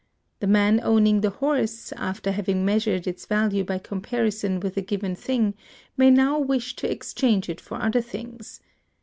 The man owning the horse, after having measured its value by comparison with a given thing, may now wish to exchange it for other things.